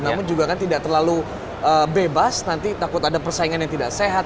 namun juga kan tidak terlalu bebas nanti takut ada persaingan yang tidak sehat